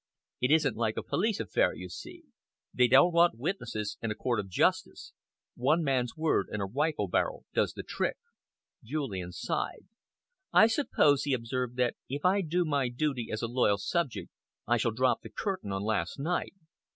It isn't like a police affair, you see. They don't want witnesses and a court of justice. One man's word and a rifle barrel does the trick." Julian sighed. "I suppose," he observed, "that if I do my duty as a loyal subject, I shall drop the curtain on last night.